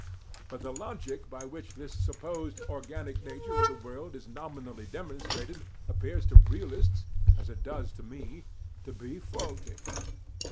But the logic by which this supposed organic nature of the world is nominally demonstrated appears to realists, as it does to me, to be faulty.